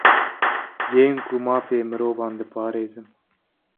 Yên ku mafê mirovan diparêzin